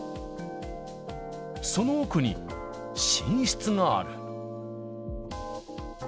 その奥に、寝室がある。